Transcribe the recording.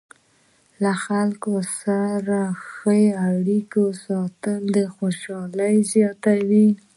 له خلکو سره ښې اړیکې ساتل خوشحالي زیاتوي.